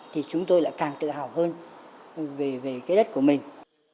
thì chúng tôi lại càng tự hào hơn về cái đất của mình